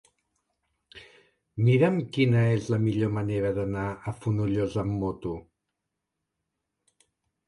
Mira'm quina és la millor manera d'anar a Fonollosa amb moto.